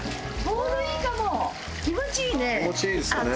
気持ちいいね。